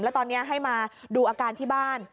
แล้วตอนนี้ให้มาดูอาการที่บ้าน